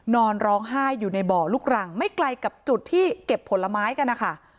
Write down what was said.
นอนร้องไห้อยู่ในบ่อลูกรังไม่ไกลกับจุดที่เก็บผลไม้กันนะคะ